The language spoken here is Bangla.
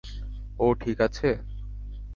ও ঠিক আছে?